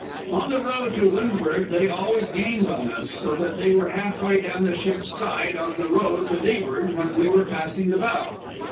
On the row to windward they always gained on us, so that they were half way down the ship's side on the row to leeward when we were passing the bow.